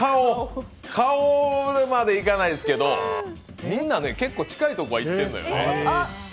顔までいかないですけど、みんな結構近いところでいってんのよね。